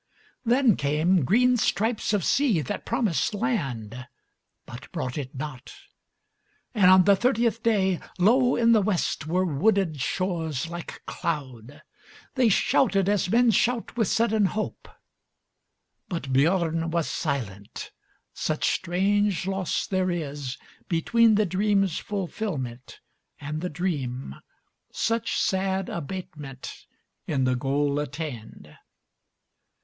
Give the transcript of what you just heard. Then came green stripes of sea that promised landBut brought it not, and on the thirtieth dayLow in the West were wooded shores like cloud. They shouted as men shout with sudden hope; But Biörn was silent, such strange loss there isBetween the dream's fulfilment and the dream, Such sad abatement in the goal attained.